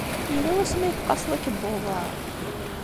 Yella wasmi ay tqasseḍ akebbuḍ-a?